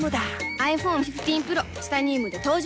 ｉＰｈｏｎｅ１５Ｐｒｏ チタニウムで登場